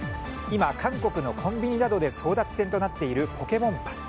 今、韓国のコンビニなどで争奪戦となっているポケモンパン。